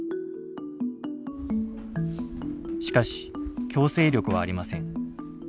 しかし強制力はありません。